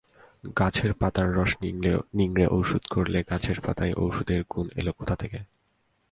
গাছের পাতার রস নিংড়ে ওষুধ করলে, গাছের পাতায় ওষুধের গুণ এল কোথা থেকে?